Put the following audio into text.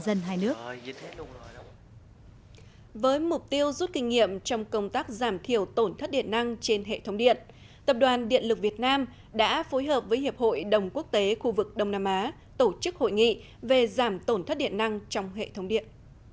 với mục tiêu rút kinh nghiệm trong công tác giảm thiểu tổn thất điện năng trên hệ thống điện tập đoàn điện lực việt nam đã phối hợp với hiệp hội đồng quốc tế khu vực đông nam á tổ chức hội nghị về giảm tổn thất điện năng trong hệ thống điện